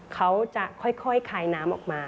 เขาจะค่อยคลายน้ำออกมา